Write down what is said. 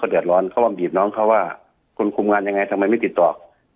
เขาเขาเดิดร้อนเขาบ่มหยิบน้องเขาว่าคุณครวมงานยังไงทำไมไม่ติดต่อก